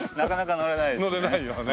乗れないよね。